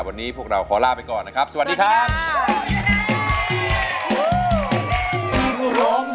วันนี้พวกเราขอลาไปก่อนนะครับสวัสดีครับ